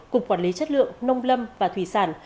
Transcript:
cục quản lý chất lượng nông lâm và thủy sản